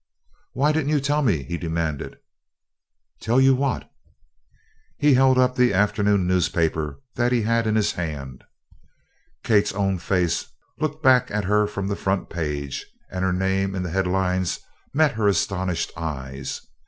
"Why didn't you tell me?" he demanded. "Tell you what?" He held up the afternoon newspaper that he had in his hand. Kate's own face looked back at her from the front page and her name in the headlines met her astonished eyes.